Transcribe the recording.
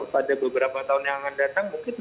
pada beberapa tahun yang akan datang mungkin